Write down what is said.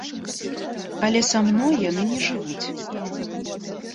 Але са мной яны не жывуць.